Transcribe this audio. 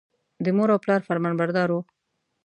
د مور او پلار فرمانبردار و.